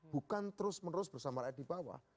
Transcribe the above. bukan terus menerus bersama rakyat di bawah